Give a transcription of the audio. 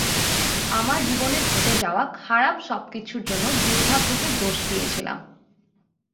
আমার জীবনে ঘটে যাওয়া খারাপ সবকিছুর জন্য দুর্ভাগ্যকে দোষ দিয়েছিলাম।